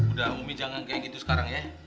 udah umi jangan kayak gitu sekarang ya